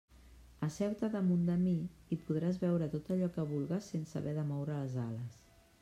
Asseu-te damunt de mi i podràs veure tot allò que vulgues sense haver de moure les ales.